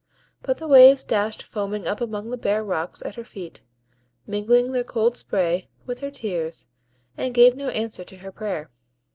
But the waves dashed foaming up among the bare rocks at her feet, mingling their cold spray with her tears, and gave no answer to her prayer.